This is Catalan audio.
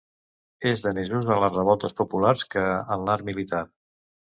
És de més ús en les revoltes populars que en l'art militar.